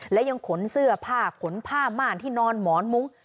และยังขนเสื้อผ้าขนผ้าม่านที่นอนหมอนมุ้ง